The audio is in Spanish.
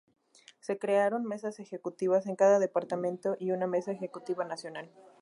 Se crearon Mesas Ejecutivas en cada Departamento y una Mesa Ejecutiva Nacional.